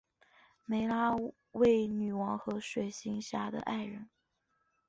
湄拉为女王和水行侠的爱人。